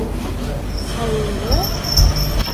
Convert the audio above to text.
Ауырлы?